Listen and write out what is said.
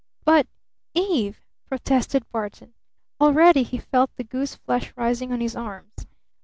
"But Eve!" protested Barton. Already he felt the goose flesh rising on his arms.